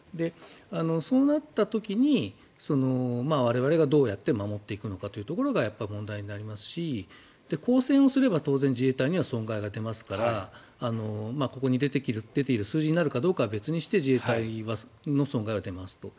そうなった時に我々がどうやって守っていくのかっていうところがやっぱり問題になりますし交戦をすれば当然、自衛隊には損害が出ますからここに出ている数字になるかは別にして自衛隊の損害は出ますと。